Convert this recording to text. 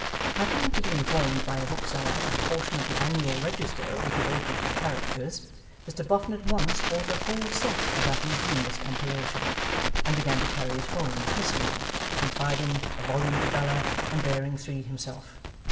Happening to be informed by a bookseller that a portion of the Annual Register was devoted to 'Characters', Mr Boffin at once bought a whole set of that ingenious compilation, and began to carry it home piecemeal, confiding a volume to Bella, and bearing three himself.